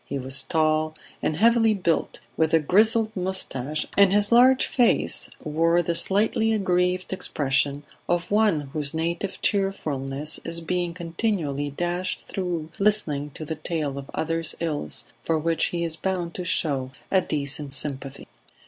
He was tall and heavily built, with a grizzled moustache, and his large face wore the slightly aggrieved expression of one whose native cheerfulness is being continually dashed through listening to the tale of others' ills for which he is bound to show a decent sympathy.